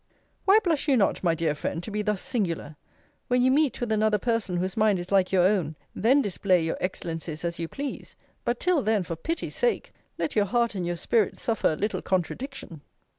Why blush you not, my dear friend, to be thus singular? When you meet with another person whose mind is like your own, then display your excellencies as you please: but till then, for pity's sake, let your heart and your spirit suffer a little contradiction.